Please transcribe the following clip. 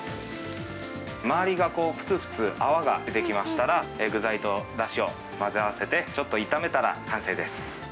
周りがふつふつ、泡が出てきましたら、具材とだしを混ぜ合わせて、ちょっと炒めたら完成です。